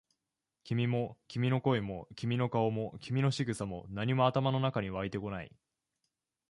君も、君の声も、君の顔も、君の仕草も、何も頭の中に湧いてこない。